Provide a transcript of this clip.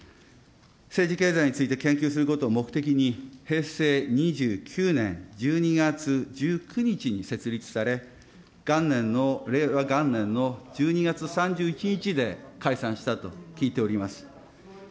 政治経済について研究することを目的に平成２９年１２月１９日に設立され、元年の、令和元年の１２月３１日で解散したと聞いております。